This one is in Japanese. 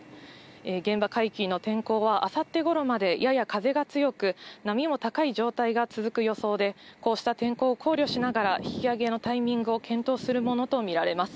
現場海域の天候はあさってごろまでやや風が強く、波も高い状態が続く予想で、こうした天候を考慮しながら、引き揚げのタイミングを検討するものと見られます。